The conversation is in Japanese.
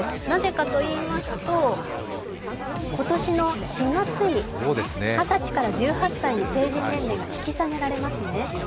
なぜかといいますと、今年の４月に２０歳から１８歳に成人年齢が引き下げられますね。